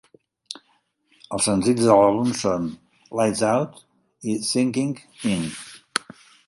Els senzills de l'àlbum són "Lights Out" i "Sinking In".